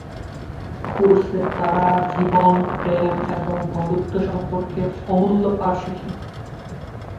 কোর্সে তারা জীবন, প্রেম এবং বন্ধুত্ব সম্পর্কে অমূল্য পাঠ শিখে।